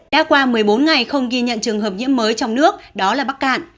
đã qua một mươi bốn ngày không ghi nhận trường hợp nhiễm mới trong nước đó là bắc cạn